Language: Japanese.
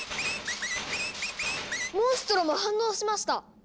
モンストロも反応しました！